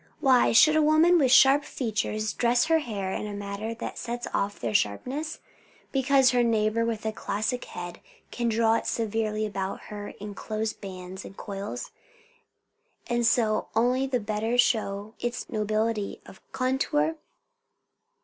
Why should a woman with sharp features dress her hair in a manner that sets off their sharpness, because her neighbour with a classic head can draw it severely about her in close bands and coils, and so only the better show its nobility of contour?